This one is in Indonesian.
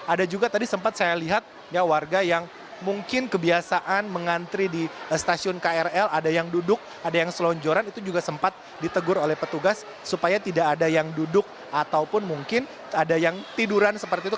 ada juga tadi sempat saya lihat warga yang mungkin kebiasaan mengantri di stasiun krl ada yang duduk ada yang selonjoran itu juga sempat ditegur oleh petugas supaya tidak ada yang duduk ataupun mungkin ada yang tiduran seperti itu